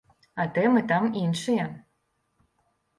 А тэмы там іншыя.